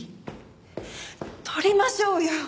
撮りましょうよ。